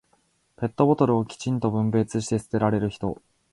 ペットボトルをきちんと分別して捨てられる人。